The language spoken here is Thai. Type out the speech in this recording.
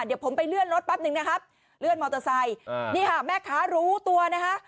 เดี๋ยวผมไปเลื่อนรถแป๊บนึงนะครับเลื่อนมอเตอร์ไซค์นี่ค่ะแม่ค้ารู้ตัวนะคะ